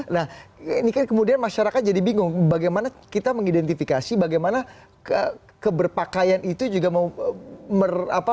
nah ini kan kemudian masyarakat jadi bingung bagaimana kita mengidentifikasi bagaimana keberpakaian itu juga mewujudkan atau berkorelasi dengan keberagamaan